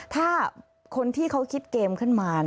ถ้าคนที่เขาคิดเกมขึ้นมา